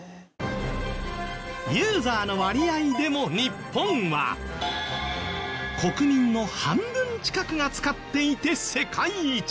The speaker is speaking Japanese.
ユーザーの割合でも日本は国民の半分近くが使っていて世界一。